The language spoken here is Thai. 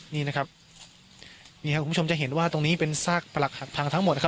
นี่นะครับนี่ครับคุณผู้ชมจะเห็นว่าตรงนี้เป็นซากประหลักหักพังทั้งหมดนะครับ